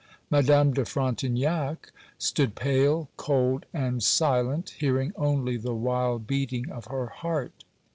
Madame de Frontignac stood pale, cold, and silent, hearing only the wild beating of her heart.